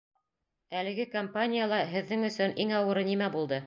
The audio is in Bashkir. Әлеге кампанияла һеҙҙең өсөн иң ауыры нимә булды?